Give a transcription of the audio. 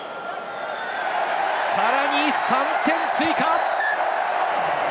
さらに３点追加。